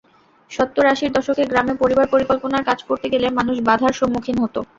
সত্তর-আশির দশকে গ্রামে পরিবার পরিকল্পনার কাজ করতে গেলে মানুষ বাধার সম্মুখীন হতো।